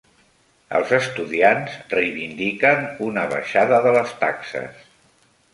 Els estudiants reivindiquen una baixada de les taxes.